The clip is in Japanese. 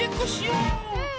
うん！